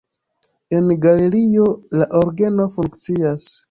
En la galerio la orgeno funkcias.